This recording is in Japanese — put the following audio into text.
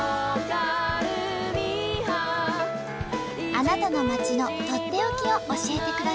あなたの町のとっておきを教えてください。